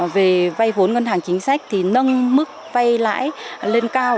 về vay vốn ngân hàng chính sách thì nâng mức vay lãi lên cao